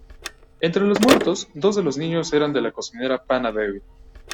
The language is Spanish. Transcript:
Entre los muertos, dos de los niños eran de la cocinera Panna Devi.